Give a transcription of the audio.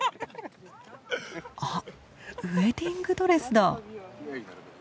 あっウエディングドレスだ。